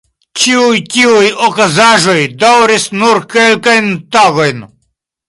Ĉiuj tiuj okazaĵoj daŭris nur kelkajn tagojn.